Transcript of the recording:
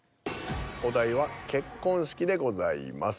お題は「結婚式」でございます。